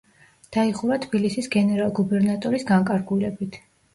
დაიხურა თბილისის გენერალ-გუბერნატორის განკარგულებით.